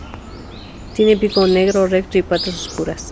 Tiene pico negro recto y patas oscuras.